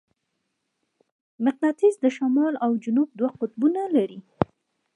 مقناطیس د شمال او جنوب دوه قطبونه لري.